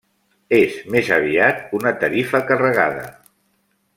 És més aviat una tarifa carregada.